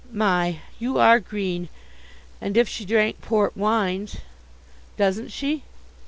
"My! you are green! And if she drank port wines." "Doesn't she?"